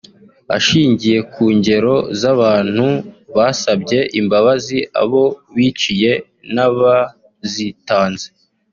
Ashingiye ku ngero z’abantu basabye imbabazi abo biciye n’abazitanze